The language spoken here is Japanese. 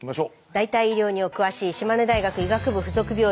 代替医療にお詳しい島根大学医学部附属病院